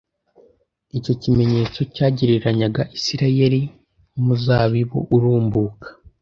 Icyo kimenyetso cyagereranyaga Isiraeli nk'umuzabibu urumbuka.